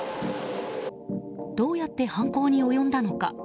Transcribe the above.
どうやって犯行に及んだのか。